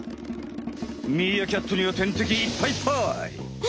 ミーアキャットには天敵いっぱいっぱい！